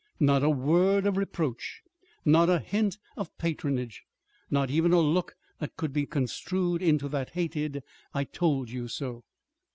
Not a word of reproach, not a hint of patronage. Not even a look that could be construed into that hated "I told you so."